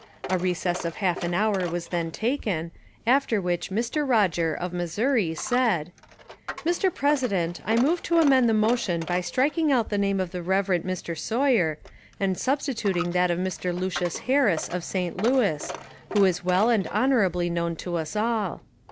A recess of half an hour was then taken, after which Mr. Roger, of Missouri, said: "Mr, President, I move to amend the motion by striking out the name of the Rev. Mr. Sawyer, and substituting that of Mr. Lucius Harris, of St. Louis, who is well and honourably known to us all.